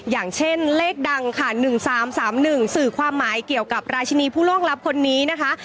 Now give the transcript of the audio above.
อย่างเช่นเลขดังค่ะ๑๓๓๑สื่อความหมายเกี่ยวกับราชินีผู้ล่วงลับคนนี้นะคะ